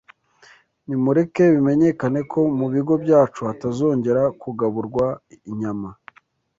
Nimureke bimenyekane ko mu bigo byacu hatazongera kugaburwa inyama